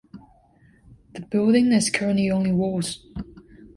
The building is currently only walls.